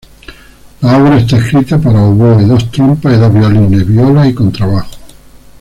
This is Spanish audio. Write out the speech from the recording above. La obra está escrita para oboe, dos trompas, dos violines, viola y contrabajo.